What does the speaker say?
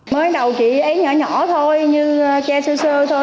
mới đầu chị ấy nhỏ nhỏ thôi như che sơ sơ thôi